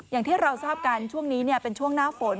อย่างที่เราทราบกันช่วงนี้เป็นช่วงหน้าฝน